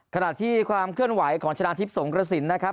ขณะที่ความเคลื่อนไหวของชนะทิพย์สงกระสินนะครับ